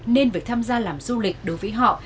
nên việc tham gia làm du lịch đối với họ